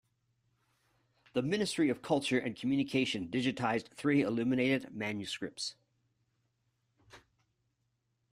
The Ministry of Culture and Communication digitized three illuminated manuscripts.